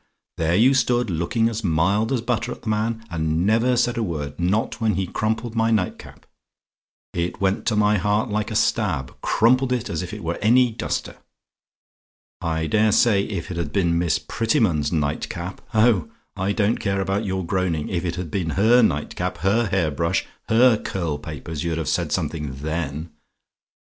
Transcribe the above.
There you stood looking as mild as butter at the man, and never said a word; not when he crumpled my night cap it went to my heart like a stab crumpled it as if it were any duster. I dare say if it had been Miss Prettyman's night cap oh, I don't care about your groaning if it had been her night cap, her hair brush her curl papers, you'd have said something then.